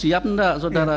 siap enggak saudara